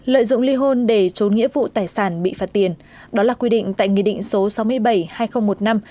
lợi dụng ly hôn để trốn nghĩa vụ tài sản bị phạt tiền đó là quy định tại nghị định số sáu mươi bảy hai nghìn một mươi năm